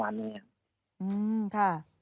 อืมค่ะ